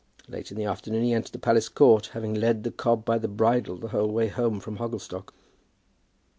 Late in the afternoon he entered the palace yard, having led the cob by the bridle the whole way home from Hogglestock.